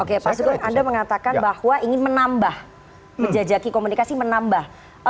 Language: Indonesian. oke pak sugeng anda mengatakan bahwa ingin menambah menjajaki komunikasi menambah